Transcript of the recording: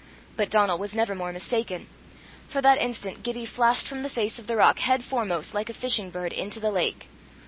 But Donal was never more mistaken; for that instant Gibbie flashed from the face of the rock head foremost, like a fishing bird, into the lake.